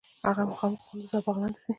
هغه مخامخ قندوز او بغلان ته ځي.